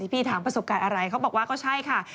พี่ถามประสบการณ์อะไรเขาบอกว่าก็ใช่ค่ะ